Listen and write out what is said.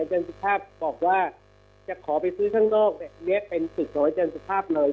อาจารย์สุขภาพบอกว่าจะขอไปซื้อทางนอกแบบเนี้ยเป็นสิทธิ์ของอาจารย์สุขภาพเลย